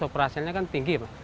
operasionalnya kan tinggi pak